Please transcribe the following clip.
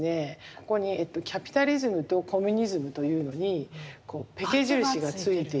ここに「キャピタリズム」と「コミュニズム」というのにこうペケ印がついていて。